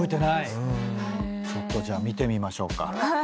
ちょっとじゃあ見てみましょうか。